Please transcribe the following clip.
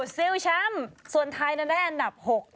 ซิลแชมป์ส่วนไทยนั้นได้อันดับ๖